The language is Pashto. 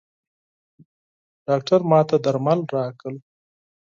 ډاکټر ماته درمل راکړل.